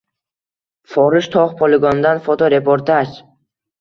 “Forish” tog‘ poligonidan fotoreportaj